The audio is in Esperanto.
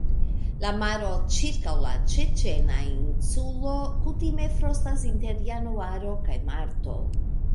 La maro ĉirkaŭ la Ĉeĉena Insulo kutime frostas inter Januaro kaj Marto.